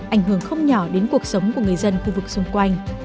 ảnh hưởng không nhỏ đến cuộc sống của người dân khu vực xung quanh